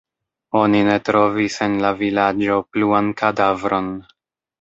Oni ne trovis en la vilaĝo pluan kadavron.